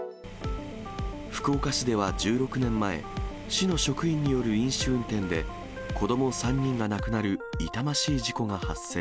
福岡市では１６年前、市の職員による飲酒運転で子ども３人が亡くなる痛ましい事故が発生。